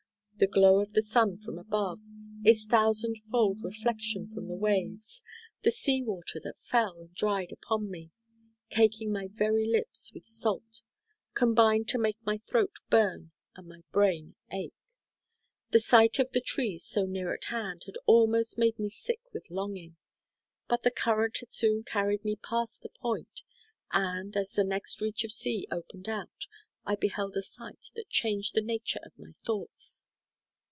The glow of the sun from above, its thousand fold reflection from the waves, the sea water that fell and dried upon me, caking my very lips with salt, combined to make my throat burn and my brain ache. The sight of the trees so near at hand had almost made me sick with longing; but the current had soon carried me past the point; and, as the next reach of sea opened out, I beheld a sight that changed the nature of my thoughts.